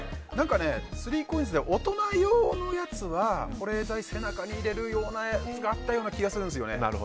スリーコインズって大人用のやつは保冷剤を背中に入れるようなやつがあったような気がするんですよね。